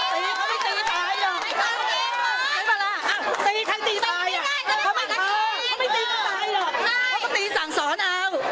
ไม่ต้องไปตีสอนเค้าไม่ตีตายเค้าไม่ตีตายเค้าตีสั่งสอนเอา